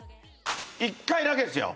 １回だけですよ。